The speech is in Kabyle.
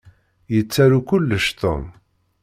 Yettaru kullec Tom.